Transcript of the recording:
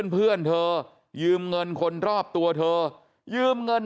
เพื่อนเธอยืมเงินคนรอบตัวเธอยืมเงิน